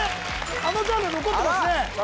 あのジャンル残ってますねあら！